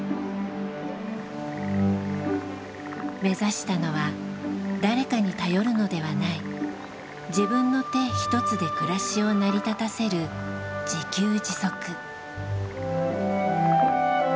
目指したのは誰かに頼るのではない自分の手ひとつで暮らしを成り立たせる自給自足。